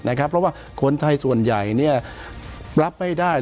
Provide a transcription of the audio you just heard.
เพราะว่าคนไทยส่วนใหญ่รับไม่ได้